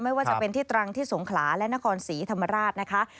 ไม่ว่าจะเป็นที่ตรังที่สงขลาและนครศรีธรรมราชนะคะ